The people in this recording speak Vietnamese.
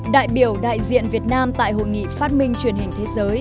đại biểu đại diện việt nam tại hội nghị phát minh truyền hình thế giới